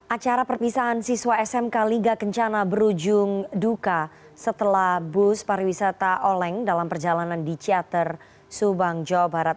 acara perpisahan siswa smk liga kencana berujung duka setelah bus pariwisata oleng dalam perjalanan di ciater subang jawa barat